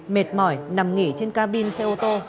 mệt mỏi nằm nghỉ trên ca bin xe ô tô